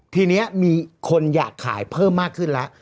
ทีนี้มีคนอยากขายเพิ่มมากขึ้นแล้ว